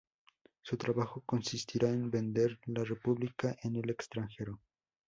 Su trabajo consistirá en vender la República en el extranjero.